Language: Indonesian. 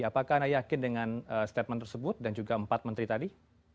apakah anda yakin dengan statement tersebut dan juga empat menteri tadi